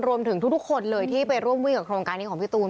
รวมถึงทุกคนเลยที่ไปร่วมวิ่งกับโครงการนี้ของพี่ตูน